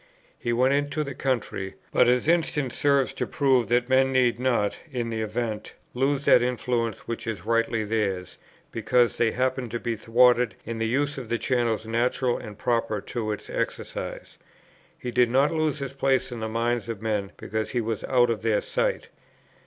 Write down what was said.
He went into the country, but his instance serves to prove that men need not, in the event, lose that influence which is rightly theirs, because they happen to be thwarted in the use of the channels natural and proper to its exercise. He did not lose his place in the minds of men because he was out of their sight.